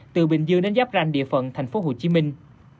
từ bình dương đến giáp ranh địa phận thành phố hồ chí minh